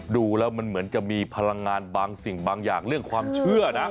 ดูแล้วมันเหมือนจะมีพลังงานบางสิ่งบางอย่างเรื่องความเชื่อนะ